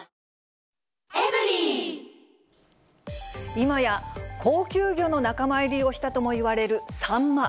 今や高級魚の仲間入りをしたともいわれるサンマ。